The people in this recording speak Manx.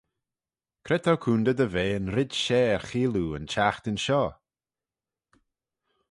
Cre t'ou coontey dy ve yn red share cheayll oo yn çhiaghtin shoh?